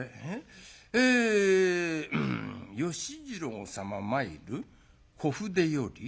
『芳次郎さま参る小筆より』。